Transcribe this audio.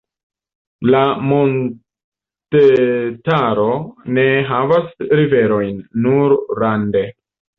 La montetaro ne havas riverojn, nur rande.